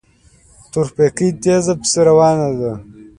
تورپيکۍ تېزه پسې روانه وه.